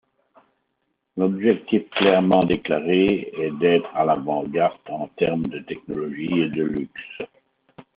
L'objectif clairement déclaré est d'être à l'avant-garde en termes de technologie et de luxe.